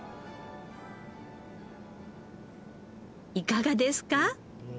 いかがですか？